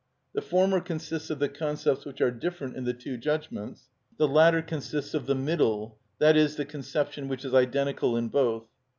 The former consists of the concepts which are different in the two judgments; the latter consists of the middle, that is, the conception which is identical in both.